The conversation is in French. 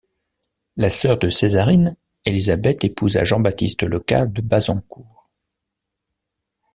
La sœur de Césarine, Élisabeth épousa Jean-Baptiste Lecat de Bazancourt.